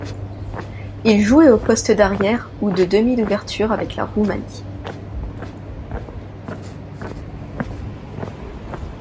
Il jouait au poste d'arrière ou de demi d'ouverture avec la Roumanie.